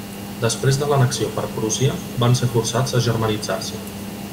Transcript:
Després de l'annexió per Prússia, van ser forçats a germanitzar-se.